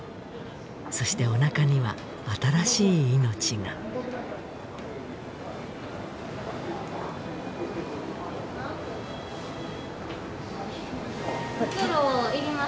そしておなかには新しい命が袋いります？